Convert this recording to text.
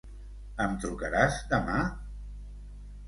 Em trucaràs demà?